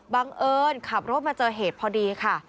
บังเอิญขับรถมาเจอเหตุพอดีค่ะ